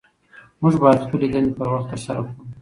موږ باید خپلې دندې پر وخت ترسره کړو